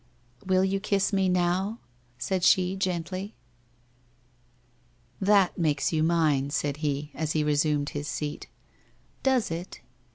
' Will you kiss me now?' she said gently. ' That makes you mine,' said he, as he resumed his seat. ' Does it?'